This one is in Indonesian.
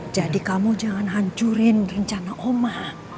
jadi kamu jangan hancurin rencana oma